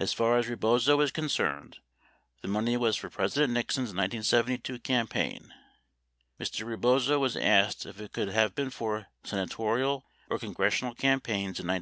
As far as Rebozo is concerned, the money was for President Nixon's 1972 campaign. Mr. Rebozo was asked if it could have been for senatorial or congressional cam paigns in 1970.